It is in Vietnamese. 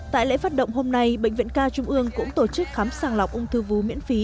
tại lễ phát động hôm nay bệnh viện ca trung ương cũng tổ chức khám sàng lọc ung thư vú miễn phí